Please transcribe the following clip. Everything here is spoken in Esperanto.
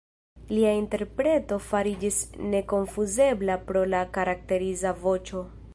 Lia interpreto fariĝis nekonfuzebla pro la karakteriza voĉo.